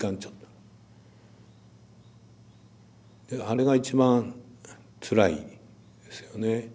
あれが一番つらいですよね。